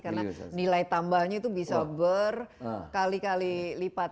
karena nilai tambahnya itu bisa berkali kali lipat